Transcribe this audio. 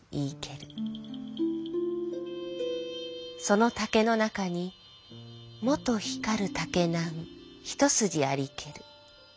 その竹の中にもと光る竹なむ一筋ありける。